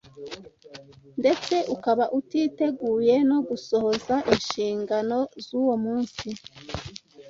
ndetse ukaba utiteguye no gusohoza inshingano z’uwo munsi.